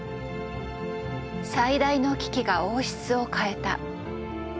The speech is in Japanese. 最大の危機が王室を変えた。